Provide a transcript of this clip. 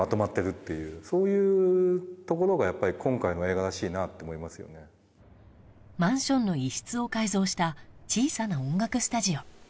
想像したくはないマンションの一室を改造した小さな音楽スタジオ